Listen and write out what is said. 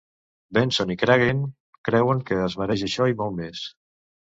Benson i Cragen creuen que es mereix això i molt més.